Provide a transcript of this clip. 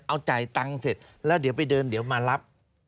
เอาจ่ายตังค์เสร็จแล้วเดี๋ยวไปเดินเดี๋ยวมารับ